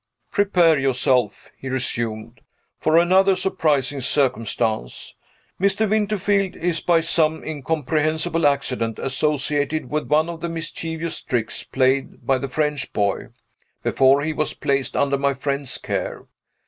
"Prepare yourself," he resumed, "for another surprising circumstance. Mr. Winterfield is, by some incomprehensible accident, associated with one of the mischievous tricks played by the French boy, before he was placed under my friend's care.